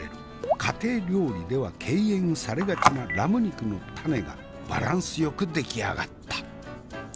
家庭料理では敬遠されがちなラム肉のタネがバランスよく出来上がった。